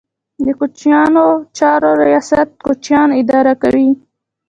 د کوچیانو چارو ریاست کوچیان اداره کوي